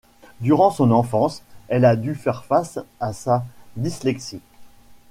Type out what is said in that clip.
Durant son enfance elle a du faire face à sa dyslexie.